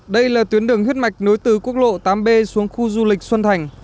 đây là tuyến đường huyết mạch nối từ quốc lộ tám b xuống khu du lịch xuân thành